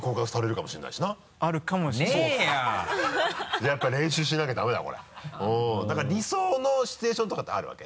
じゃあやっぱ練習しなきゃダメだこれは。何か理想のシチュエーションとかってあるわけ？